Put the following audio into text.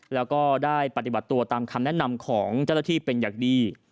แล้วก็ได้ปฏิบัติตัวตามคำแนะนำของเจ้าหน้าที่เป็นอย่างดี